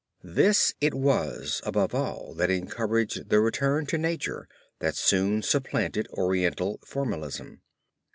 This it was above all that encouraged the return to nature that soon supplanted Oriental formalism.